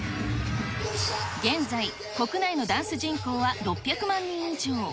現在、国内のダンス人口は６００万人以上。